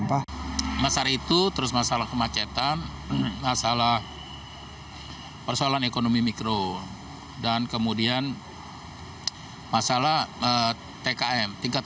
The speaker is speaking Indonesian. karena kalau berbasis masyarakat lingkungan itu itu adalah kinerja yang memang upaya semangat komitmen yang dibangun oleh masyarakat